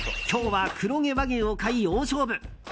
今日は黒毛和牛を買い大勝負。